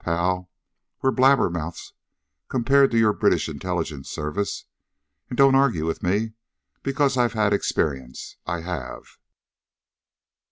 Pal, we're blabber mouths compared with your British Intelligence Service. And don't argue with me, because I've had experience, I have!"